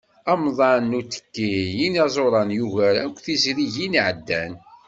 Amḍan n uttekki n yinaẓuren yugar akk tizrigin i iɛeddan.